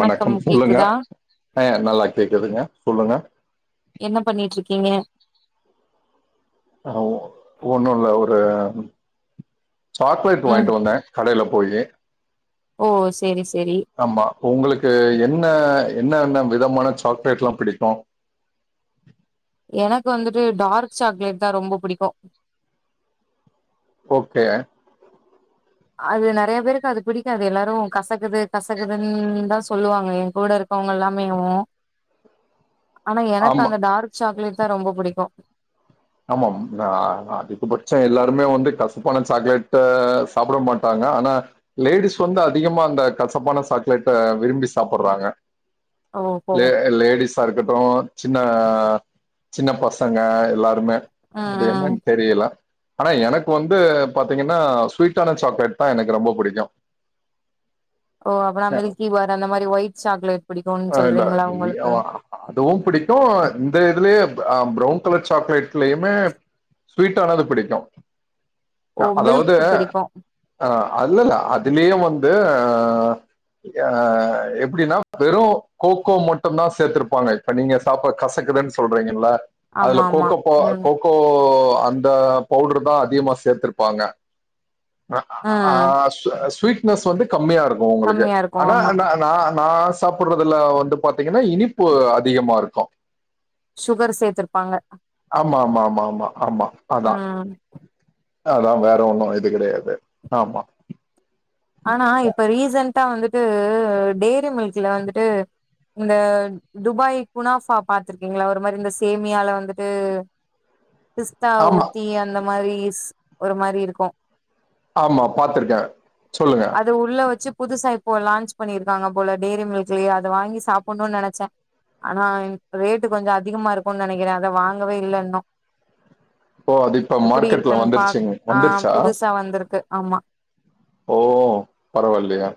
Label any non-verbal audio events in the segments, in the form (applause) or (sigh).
வணக்கம் சொல்லுங்க அ நல்லா கேக்குதுங்க சொல்லுங்க என்னப் பண்ணிட்ருக்கிங்க ஆ ஒன்னு இல்ல ஒரு சாக்லேட் ம் வாயின்ட்டு வந்தே கடைல போயி ஓ சேரிஸ் ஆமா உங்ளுக்கு என்ன என்ன என்ன விதமான சாக்லேட்லா பிடிக்கு எனக்கு வந்துட்டு டார்க் சாக்லேட்தா ரொம்ப பிடிக்கு ஓகே அது நெறைய பேருக்கு அது பிடிக்காது எல்லாரு கசக்குது கசக்குதுன்னுதா சொல்லுவாங்க எங் கூடருக் கவுங்கல்லாமேவு ஆனா எனக்கு ஆமா அந்த டார்க் சாக்லேட்தா ரொம்ப புடிக்கு ஆமாம் அ அதுக்குபட்ச எல்லாருமே வந்து கசப்பான சாக்லேட்ட சாப்ட மாட்டாங் க ஆனா லேடிஸ் வந்து அதிகமா அந்த கசப்பான சாக்லேட்ட விரும்பி சாப்பர்றாங்க ஓஹோ லே லேடிஸாருக்கட்டு சின்ன சின்ன பசங்க எல்லாருமே ம் அது ம் என்னன் தெரில ஆனா எனக்கு வந்து பாத்தீங்கன்னா ஸ்வீட்டான சாக்லேட்தா எனக்கு ரொம்ப புடிக்கு ஓ அப்பனா மில்கிபார் அந்த மாரி வொய்ட் சாக்லேட் பிடிக்கும்னு அ இல்ல சொல்றீங்களா இ உங்களுக்கு அ அதுவு பிடிக்கு இந்த இதுலியே அ ப்ரவுன் கலர் சாக்லேட்லியுமே ஸ்வீட்டானது பிடிக்கு ஓ அதாவது மில்க் பிடிக்கு ஆ அல்லல்ல அதுலியே வந் து அ எப்டினா வெறு கோக்கோ மட்டுந்தா சேர்த்திருப்பாங்க இப்ப நீங்க சாப்ப கசக்குதுன் சொல்றீங்கல்ல ஆமா அதுல ஆமா கொக்கோப்போ ம் கொக்கோ அந்த பவுடுர்தா அதிகமா சேத்திருப்பாங்க அ அ ஆ ம் ஸ் ஸ்வீட்நஸ் வந்து கம்மியா இருக்கும உங்களுக்கு கம்மியா இருக்கு ஆனா ஆமா ந ந நா சாப்பிடு்றதுல வந்து பாத்தீங்கன்னா இனிப்பு அதிகமா இருக்கு (inaudible) சேத்திருப்பாங்க ஆமா ஆமா ஆமா ஆமா ஆமா அதா ம் அதா வேற ஒண்ணும் இது கிடையாது ஆமா ஆனா இப்ப ரீசன்டா வந்துட்டு டெய்ரி மில்க்ல வந்துட்டு இந்த துபாய் குனாபா பாத்துருக்கீங்களா ஒரு மாதிரி இந்த சேமியால வந்துட்டு பிஸ்தா ஆமா ஊத்தி அந்த மாதிரி ஒரு மாதிரி இருக்கு ஆமா பாத்துருக்கே அது உள்ள வச்சு புதுசா இப்போ லான்ச் பண்ணிருக்காங்க போல டெயரி மில்கலயே அதை வாங்கி சாப்பிடணும்னு நினைச்சே ஆனா ரேட்டு கொஞ்சம் அதிகமா இருக்கு நினைக்கிறேன் அத வாங்கவே இல்லைன்னு ஓ அது இப்ப எப்படி மார்க்கெட்ல இருக்குன்னு பாக் வந்துருச்சுங்க ஆ வந்துருச்சா? புதுசா வந்திருக்கு ஆமா ஓ பரவாயில்லையே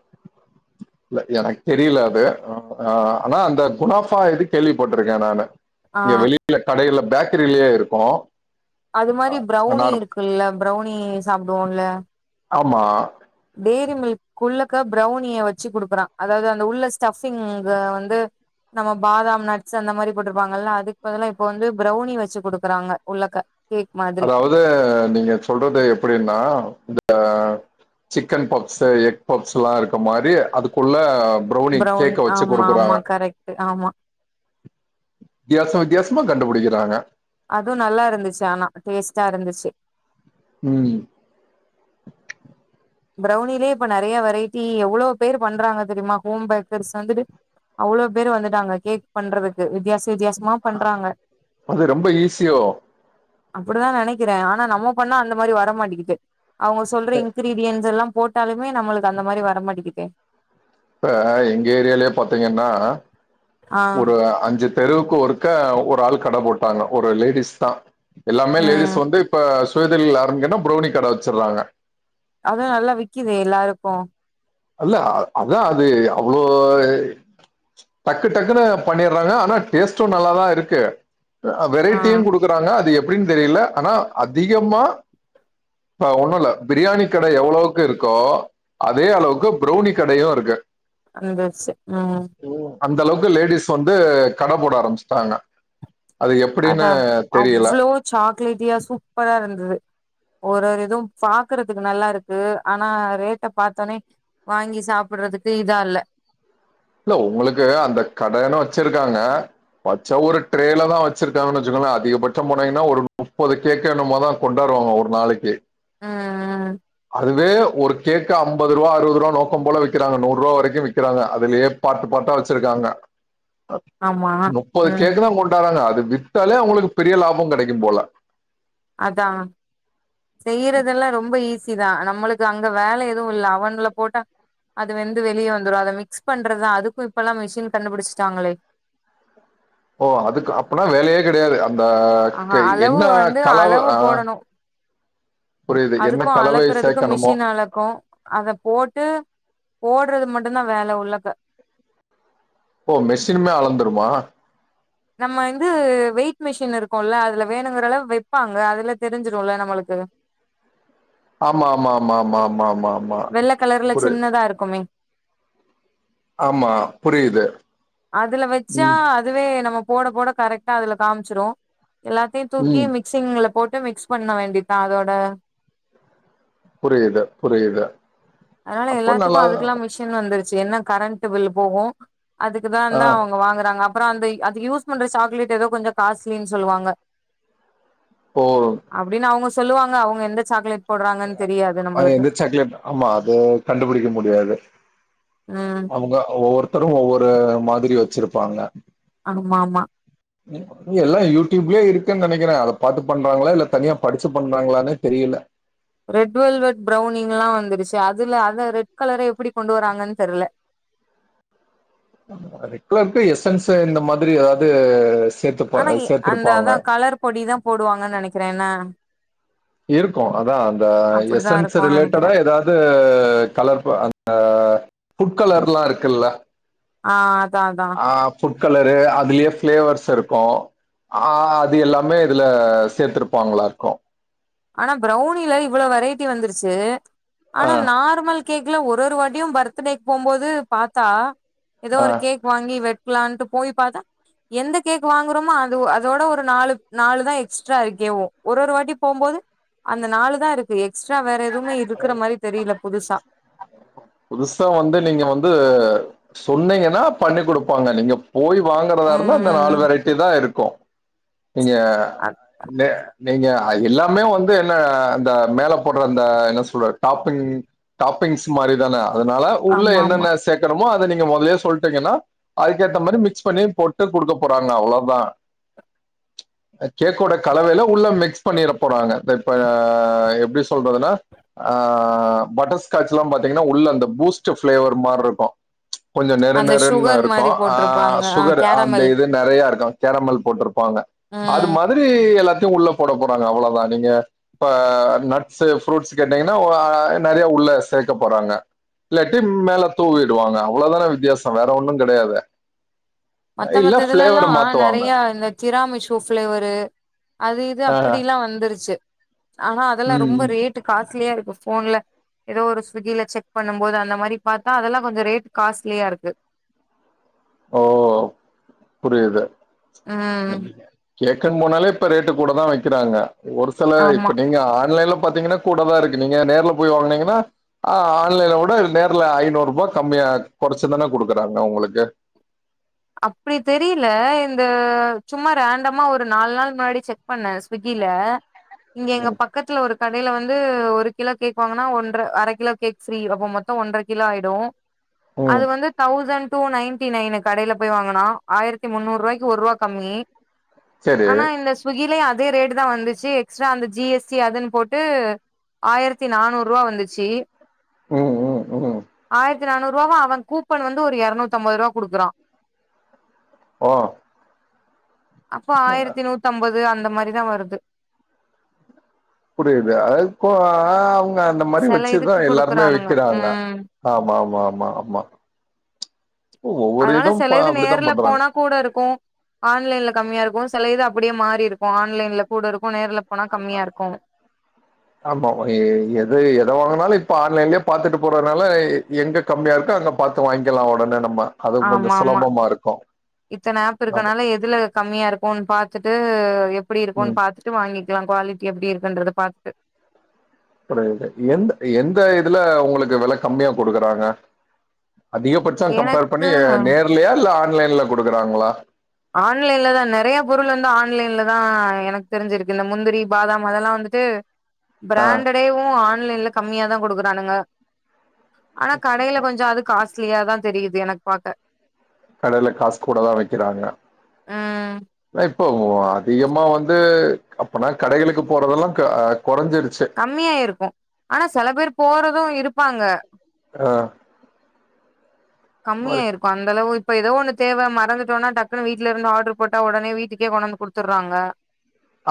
எனக்கு தெரியல அது ஆ ஆனா அந்த குனாபா இது கேள்வி போட்டிருக்கே நானு ஆ இங்க வெளியில கடையில பேக்கரியிலேயே இருக்கு அது மாதிரி பிரரௌனி இருக்குல்ல பிரவுனி சாப்பிடுவோம்ல ஆமா டெய்ரி மில்க் குள்ளக்க பிரௌனிய வச்சு குடுக்குறா அதாவது அந்த உள்ள ஸ்டபிங்க வந்து நம்ம பாதாம் நட்ஸ் அந்த மாரி போட்ருப்பாங்கல்ல அதுக்கு பதலிலா இப்ப வந்து பிரௌனி வச்சு குடுக்குறாங்க உள்ளக்க கேக் மாதிரி அதாவது நீங்க சொல்றது எப்படின்னா இந்த சிக்கன் பப்ஸ் எக் பப்ஸ் எல்லா இருக்க மாரி அதுக்குள்ள பிரவுனி ப்ரௌனி கேக்க வச்சு ஆமா ஆமா கொடுக்குறாங்க கரெக்ட் ஆமா வித்தியாசம வித்தியாசமா கண்டுபிடிக்கிறாங்க அதுவு நல்லா இருந்துச்சு ஆனா டேஸ்டா இருந்துச்சு ம் பிரவுனிலே இப்ப நிறைய வெரைட்டி எவ்வளவு பேர் பண்றாங்க தெரியுமா ஹோம் பேக்கர்ஸ் வந்துட்டு அவ்வளோ பேரு வந்துட்டாங்க கேக் பண்றதுக்கு வித்தியாச வித்தியாசமா பண்றாங்க அது ரொம்ப ஈஸியோ? அப்படிதா நினைக்கிறே ஆனா நம்ம பண்ணா அந்த மாதிரி வர மாட்டேிக்கு அவங்க சொல்ற இன்கிரீடியன்டஸ் எல்லா போட்டாலுமே நம்மளுக்கு அந்த மாரி வர மாட்டக்குது எங்க ஏரியாலேயே பாத்தீங்கன்னா ஆ ஒரு அஞ்சு தெருவுக்கு ஒருக்க ஒரு ஆள் கடை போட்டாங்க ஒரு லேடிஸ் தா எல்லாமே லேடிஸ் ம் வந்து இப்ப சுய தொழில் ஆரம்பிக்கணும்னு பிரௌனி கடை வச்சிருறாங்க அத நல்லா விக்குது எல்லாருக்கு அல்ல அதா அது அவ்வளோ டக்கு டக்குன்னு பண்ணடுறாங்க ஆனா டேஸ்ட்டு நல்லாதா இருக்கு ஆ வெரைட்டியும் குடுக்குறாங்க அது எப்படின்னு தெரியல ஆனா அதிகமா இ ஒண்ணும் இல்ல பிரியாணி கடை எவ்வளவுக்கு இருக்கோ அதே அளவுக்கு பிரௌனி கடையு இருக்கு ம் அந்த அளவுக்கு லேடிஸ் வந்து கடை போட ஆரம்பிச்சிட்டாங்க அதா அவ்வளோ சாக்லேட்டியா சூப்பரா இருந்து ஒரு ஒரு இதுவு பாக்குறதுக்கு நல்லா இருக்கு ஆனா ரேட்டை பாத்தோனே வாங்கி சாப்பிடுறதுக்கு இதெதான்ல்ல இல்ல உங்களுக்கு அந்த கடனு வச்சிருக்காங்க வச்ச ஒரு ட்ரெயல தா வச்சிருக்கான்னு வாட்சிக்கோங்களே அதிகபட்சம் போனங்கன்னா ஒரு முப்பது கேக்க என்னம தான் கொண்டார ரோ ஒரு நாளைக்கு ம் ம் அதுவே ஒரு கேக் அம்பது ரூபா அறுபது ரூா நோக்கம் போல விக்கிறாங்க நூறு ரூப வரைக்கும் விக்குறாங்க அதுலயே பாட்டு பாட்டா வச்சிருக்காங்க ஆமா முப்பது ம் கேக்கு தா கொண்டறாங்க அதுகே வித்தலே ஒங்ளுக்கு பெரிய லாபங்கெடக்கிம்போல அதா செய்யிறதெல்லா ரொம்ப ஈஸி தா நம அம்மளுக்கு அங்க வேல எதுவு ல்ல அவன்ல போட்டா அது வந்து வெளிய வந்துரு அத மிக்ஸ் பண்றதா அதுக்கு இப்பல்லா மிஷின் கண்டுபுடுஷ்ட்டாங்களே ஒ அதுக் அப்பனா வேலயே கெடயாது அந்த ஆஹா கை அளவு என்னா வந்து கலவு அளவு அ போடணு அதுக்கு அளக்குறதுக்கு மிஷின் அளக்கு அத போட்டு ஓட்றது மட்டுந்தா வேல உள்ளக்க ஒ மெஷின்னுமே அளந்துருமா நம்ம இந்து வெயிட் மிஷின் இருக்குல்ல அதுல வேணுங்குறலவ் வெப்பாங்க அதுல தெரிஞ்சிருல நம்மளுக் கு ஆமா ஆமா ஆமா மா மா மா வெள்ள கலர்ல சின்னதா இருக்குமே ஆமா புரியிது அதுல வெச்சா அதுவே நம்ம போட போட கரெக்டா அதுல காம்ச்சிரு எல்லாத்யு தூக்கி ம். மிக்சிங்ல போட்டு மிக்ஸ் பண்ண வேண்டிதா அதோட புரியித புரியித அதுனால எல்லாத்துக்கு அதுக்ல்லா மிஷின் வந்துருச்சு என்ன கரண்ட் பில் போகு அதுக்குதா ஆ தா அவுங்க வாங்குறாங்க அப் அப்பற அந்தய் அதுக் யூஸ் பண்ற சாக்லேட் எதோ கொஞ்ச காஸ்ட்லின் சொல்லுவாங்க இப்போ அப்புடின் அவுங்க சொல்லுவாங்க அவுங்க எந்த சாக்குலேட் அ எந்த சாக்லேட் அமா அது கண்டுபுடிக்க முட்யாது ம் அவுங்க ஒவொருத்தரு ஒவ்வொரு மாதுரியோ ஸ்சிருப்பாங்க ஆமா ஆமா எல்லா யூட்யூப்லே இருக்க நெனை கிற அத பாத்து பண்றாங்ளா இல்ல தனியா படிச்சு பண்றாங்ளானே தெரியில ரெட் வெல்வெட் பிரௌன்னிங்லா வந்துருச்சு அதுல அத ரெட் கலர எப்புடி கொண்டுவராங்கனு தெர்ல (unintelligible) ரெட் கலர்க்கு எஸ்சன்சு இந்த மாதுரி எதாது அனா எ அந்த அதா கலர் பொடி தா போடுவாங்க நெனக்கிறே நா இருக்கு அதா அந்த அப்டிதா எசன்ஸ் இருக்கும்னு ரிலேட்டடா நெனைக்கிறே ஏதாது கலர் பு அந்த ஃபுட் கலர்ல்லா இருக்குல்ல ஆ அதா அதா ஆ ஃபுட் கலரு அதுலே ஃப்ளேவர்ஸ் இர்க்கு அ அது எல்லாமே இதுல சேத்துருப்பாங்ளா இருக்கு ஆனா பிரௌனில இவ்வுளோ வெரைட்டி வந்துருச்சு ஆ ஆனா நார்மல் கேக் இல்ல ஒரொரு வாட்யு பர்த்டே போம்போது பாத்தா எதோ ஆ ஒரு கேக் வாங்கி வெட் க்லான்ட்டு போய் பாத்தா எந்த கேக் வாங்குரொமா அது அதோட ஒரு நாலு நாலு தா எக்ஸ்ட்ரா இருக்கேவு ஒர் ஒரு வாட்டி போம்போது அந்த நாலு தா இருக்கு எக்ஸ்ட்ரா வேற எது புதுசா வந்து நீங்க வந்து சொன்னீங்கனா பண்ணி குடுப்பாங்க நீங்க போய் வாங்குறதார்ந்தா இந்த நாலு ம் வெரைட்டி தா இருக்கு நீங்க நெ நீங்க அ எல்லாமே வந்து என்ன அந்த மேல போட்ற அந்த என்ன சுட டாப்பிங் டாப் பிங்ஸ் மாரி தான அதுனால உள்ள ஆமா ஆமா என்னென்ன சேக்கணுமோ அ நீங்க முதலே சொல்ட்டீங்கனா அதுக்கேத்த மாரி மிக்ஸ் பண்ணி போட்டு குடுக்க போறாங்க அவ்ளோதா கேக்கோட கலவைல உள்ள மிக்ஸ் பண்ணிற போராங்க பெப்ப எப்டி சொல்றதுனா ஆ பட்டர்ஸ்காச்ல்லா பாத்தீங்கனா உள்ள அந்த பூஸ்ட்ட ஃப்ளேவர் மார்ருக்கு கொஞ்ச அந்த நெருநெருன்னு சுகர் இருக்கு மாரி ஆ போட்டிருப்பாங்க ஆ சுகரு அந்த கேரமல் இது நெறயாருக்கு கேரமல் போட்டிருப்பாங்க அது ம் மாதிரி எல்லாத்தையும் உள்ள போட போறாங்க அவ்வளவுதான் நீங்க இப்ப நட்ஸ்சு ஃப்ரூட்ஸ் கேட்டீங்கன்னா நெறைய உள்ள சேர்க்க போறாங்க இல்லாட்டி மேல தூவிடுவாங்க அவ்வளவுதானே வித்தியாசம் வேற ஒன்னும் கிடையாதே மத்த மத்த இதுலலாம் நெறைய இந்த கிராமிஷோ ஃப்ளேவரு அது இது ஆ அப்படிலாம் வந்துருச்சு ஆனா அதெல்லாம் ம் ரொம்ப ம் ரேட்டு காஸ்ட்லியா இருக்கு போன்ல ஏதோ ஒரு ஸ்விக்கில செக் பண்ணும் போது அந்த மாதிரி பார்த்தா அதெல்லாம் கொஞ்சம் ரேட் காஸ்ட்லியா இருக்கு ஓ புரியுது ம் கேக்கு போனாலே இப்ப ரேட்டு கூட தான் வைக்கிறாங்க ஒரு சில இப்ப ஆமா நீங்க ஆன்லைன்ல பாத்தீங்கன்னா கூடதான் இருக்கு நீங்க நேரல போய் வாங்கனீங்கன்னா ஆன்லைன் கூட நேரில் ஐநூறு ரூபா கம்மிய (unintelligible) குறைச்சுதானே குடுக்குறாங்க உங்களுக்கு அப்டி தெரியல இந்த சும்மா ரேண்டமா ஒரு நாலு நாள் முன்னாடி செக் பண்ணேன் ஸ்விக்கி ல இங்க எங்க பக்கத்துல ஒரு கடையில வந் து ஒரு கிலோ கேக் வாங்குனா ஒன்ற அரை கிலோ கேக் ப்ரீ அப்ப மொத்தம் ஒன்றரை கிலோ ஆயிடும் அது ம் வந்து தௌசண்ட் டூ நைன்டி நைனு கடயில போய் வாங்குனா ஆயிரத்தி முன்னூறுரூவாய்கு ஒரு ரூவா கம்மி சரி ஆனா இந்த சுகிலய அது அதே ரேட்டு தான் வந்துச்சி எக்ஸ்ட்ரா அந்த ஜி எஸ் டி அதுன்னு போட்டு ஆயிரத்தி நானூறுரூவா வந்துச்சு ம் ம் ம் ஆயிரத்தி நானூறு ரூவாவ அவன் கூப்பன் வந்து ஒரு இருநூத்து ஐம்பதுரூவா கொடுக்கறான் ஓ அப்போ ஆயிரத்தி நூத்தம்பது அந்த மாதிரிதான் வருது புரியுது அ இப்போ அந்த மாரி செல இதுக்கு வச்சுதான் எல்லாருமே குடுக்குறானுங்க விக்கிறாங்க ம் ஆமா -ஆமா -ஆமா -ஆமா ஒவ்வொரு அதனால இதும் ப செல இது அப்படித்தான் நேர்ல பண்றாங்க போனா கூட இருக்கும் ஆன்லைன்ல கம்மியாருக்கும் செல இது அப்படியே மாறி இருக்கும் ஆன்லைன்ல கூட இருக்கும் ஆமா எது எத வாங்குனாலும் இப்ப ஆன்லைன்ல பாத்துட்டு போறதுனால எங்க கம்மியாருக்கோ அங்க பாத்து வாங்கிக்கலாம் ஒடனே அது கொஞ்சம் ஆமா ஆமா சுலபமாருக்கும் இத்தன ஆப் இருக்கரனால எதுல கம்மியா இருக்கும் பாத்துட்டு எப்படி இருக்கும்ன்னு ம் பாத்துட்டு வாங்கிக்கலாம் குவாலிட்டி எப்டி இருக்குன்றத பாத்துட்டு புரிது‌ எந்த எந்த இதுல ஒங்களுக்கு வெல கம்மியா குடுக்குறாங்க அதிகபட்சம் கம்பேர் பண்ணி எனக்கு நேர்லயா இல்ல ஆன்லைன்ல குடுக்குறாங்களா ஆன்லைன்லதான் நெறைய பொருள் வந்து ஆன்லைன்ல தான் எனக்கு தெரிஞ்சிருக்கு இந்த முந்திரி பாதாம் அதெல்லாம் வந்து ஆ பிராண்டடேவும் ஆன்லைன்ல கம்மியா தான் கொடுக்குறானுங்க ஆனா கடயில கொஞ்சம் அது காஸ்ட்லியாதான் தெரியிது எனக்கு பாக்க கடயில காசு கூட தான் வைக்கிறாங்க ம் இப்போ அதிகமா வந்து அப்பனா கடைகளுக்கு போறதெல்லாம் கா கம்மியா இருக்கும் ஆனா சில பேர் போறதும் இருப்பாங்க ஆ மாரி கம்மியாருக்கும் அந்த அளவு இப்ப ஏதோ ஒண்ணு தேவ மறந்துட்டோனா டக்குன்னு வீட்டுலருந்து ஆர்டரு போட்டா உடனே வீட்டுக்கே கொண்டுவந்து கொடுத்துறாங்க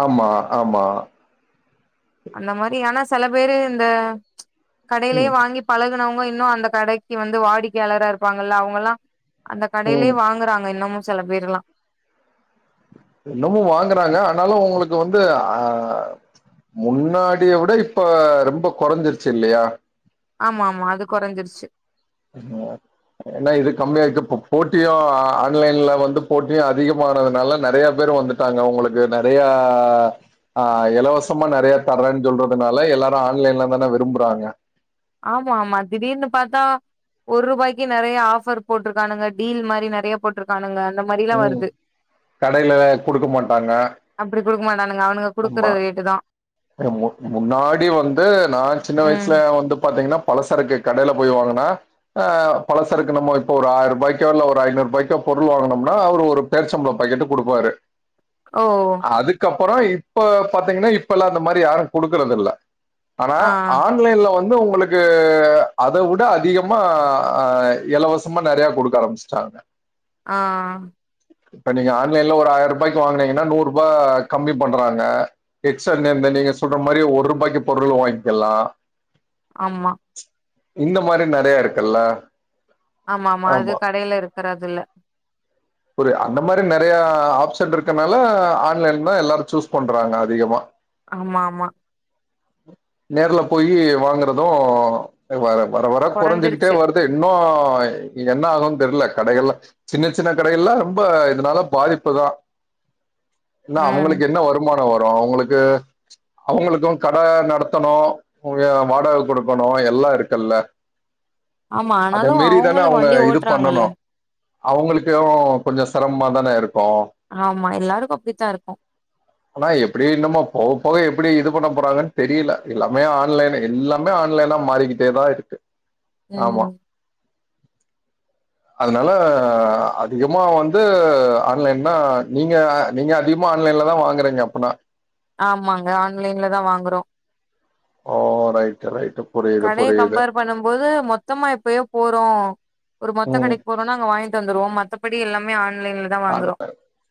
ஆமா ஆமா அந்த மாதிரியானா செல பேரு இந்த கடயிலே ம், வாங்கி பழக குனவங்க இன்னும் அந்த கடைக்கு வந்து வாடிக்கையாளரா இருப்பாங்கல்ல அவங்கல்லாம் அந்த கடையிலேயே ம். வாங்குறாங்க இன்னமும் செல பேர்ல்லாம் இன்னமும் வாங்கறாங்க ஆனாலும் உங்களுக்கு வந்து ஆ முன்னாடிய விட இப்ப ரொம்ப குறைஞ்சிருச்சி இல்லையா ஆமா ஆமா அது குறஞ்சிருச்சி (unintelligible) ஏனா இது கம்மியாருக்கு போ போட்டியு ஆ ஆன்லைன்ல வந்து போட்டியு அதிகமானதுனால நறைய பேர் க்கு வந்துட்டாங்க உங்களுக்கு நறையா ஆ இலவசமா நறையா தர்றேன்னு சொல்றதுனால எல்லாரு ஆன்லைன்ல தான விரும்பறாங்க ஆமா ஆமா திடீர்னு பாத்தா ஒரு ரூபாய்க்கு நறையா ஆஃபர் போட்டருக்கானுங்க டீல் மாரி நறையா போட்ருக்கானுங்க அந்த மாரிலா ம் வருது கடையில கொடுக்க மாட்டாங்க அப்பிடி குடுக்குமா ட்டானுங்க அவனுங்க ஆமா குடுக்கற ரேட்டு தா மு முன்னாடி வந்து நா சின்ன ம் வயசுல வந்து பாத்தீங்ன்னா பலசருக்கு கடயிலே போய் வாங்கனா அ பல சறுக்கு நம்ம இப்போ ஒரு ஆயிரூபாய்க்கோ இல்ல ஒரு ஐநூறுரூபாய்க்கோ பொருள் வாங்கணம் னா அவரு ஒரு பேர்ச்சம்பளம் பக்கெட்டு குடுப்பாரு ஓ ஓ அப்பறோ இப்ப பாத்தீங்கின்னா இப்பல்லா அந்த மாதிரி யாரு குடுக்கறதுல்ல ஆனா ஆ ஆன்லைன்ல வந் வந்து உங்களுக்கு அதவுட அதிகமா அ எலவசமா நறையா குடுக்க ஆரமிச்சிட்டாங்க ங்க ஆ இப்ப நீங்க ஆன்லைன்ல ஒரு ஆயிரூபாய்க்கி வாங்கனீங்கன்னா நூறு ரூபா கம்மி பண்றாங்க எக்ஸ்சட் (unintelligible) நீங்க சொல்ற மாரி ஒரு ரூபாய்க்கி பொருள் வாங்கிக்கல்லா ஆமா இந்த மாரி நறையாருக்கல்ல ஆமா ஆமா அது கடையில இருக்கறதுல்ல புரிய அந்த மாரி நறையா ஆப்ஷன் இருக்கன்னால ஆன்லைன் கூட எல்லாரு சூஸ் பண்றாங்க அதிகமா ஆமா ஆமா நேர்ல போயி வாங்கறது வேற வர வர கொறைஞ்சுகிட்டே கொறஞ்சிருச்சு வருது இன்னு என்னாகுன் தெர்ல கடைகள்ல சின்ன சின்ன கடைகள்லா ரொம்ப இதனால பாதிப்பு தா என்னா ம் அவங்களுக்கு என்ன வருமான் னோ வரு அவுங்களுக்கு அவுங்களுக்கு கட நடத்தணு அம் எ வாடக குடுக்கணு எல்லா இருக்கல்ல ஆமா அத ஆனாலு மீரி தான அவங்களு அவுங்க வண்டி இது ஓட்றாங்கல்ல பண்ணணு அவுங்களுக்கியோ கொஞ்சோ செரமமா தான இருக் கு ஆமா எல்லாருக்கு அப்டித்தா இருக்கு ஆனா எப்பிடி என்னமோ போக போக எப்பிடி இது பண்ண போறாங்கன் தெரில எல்லாமே ஆன்லைன் எல்லாமே ஆன்லைனா மாறிக்கிட்டே தா இருக்கு ஆமா ம் அதனால அதிகமா வந்து ஆன்லைன் தா நீங்க நீங்க அதிகமா ஆன்லைன்லதா வாங்கறீங்க அப்பன்னா ஆமாங்க ஆன்லைன்ல தா வாங்குறோ ஓ ரைட்டு ரைட்டு. புரியுது, கடையே புரியுது. கம்பேர் பண்ணும் போது மொத்தமா எப்பயோ போறோ ஒரு மொத்த ம். கடைக்கு போறோன்னா அங்க வாங்கிட்டு வந்துருவோ மத்தபடி எல்லாமே ஆன்லைன்ல தா அ வாங்குறோ